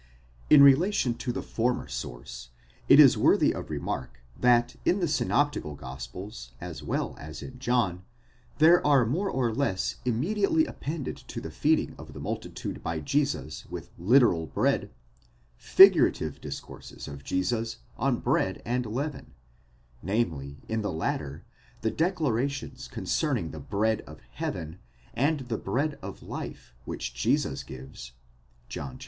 In relation to the former source, it is worthy of remark, that in the synoptical gospels as well as in John, there are more or less immediately appended to the feeding of the multitude by Jesus with literal bread, figurative discourses of Jesus on bread and leaven: namely, in the latter, the declarations concerning the bread of heaven, and the bread of life which Jesus gives (John vi.